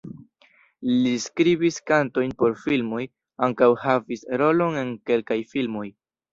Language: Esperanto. Li skribis kantojn por filmoj, ankaŭ havis rolon en kelkaj filmoj.